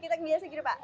kita biasanya begini pak